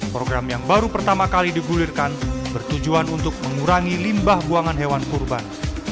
program yang baru pertama kali digulirkan bertujuan untuk mengurangi limbah buangan hewan kurban